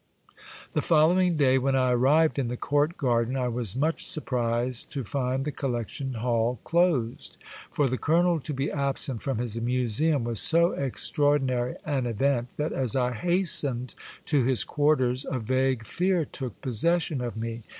The following day, when I arrived in the court . garden I was much surprised to find the collection hall closed. For the colonel to be absent from his museum was so extraordinary an event that as I hastened to his quarters a vague fear took posses sion of me.